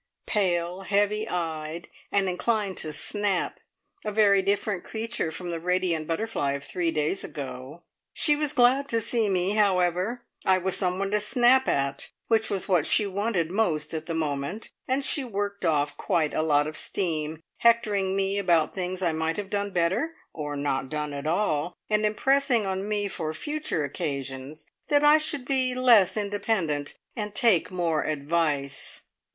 Pale, heavy eyed, and inclined to snap, a very different creature from the radiant butterfly of three days ago. She was glad to see me, however, I was someone to snap at, which was what she wanted most at the moment, and she worked off quite a lot of steam, hectoring me about things I might have done better, or not done at all, and impressing on me for future occasions that I should be less independent, and take more advice.